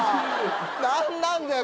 何なんだよ